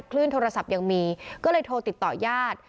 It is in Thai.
คลื่นโทรศัพท์ยังมีก็เลยโทรติดต่อญาติ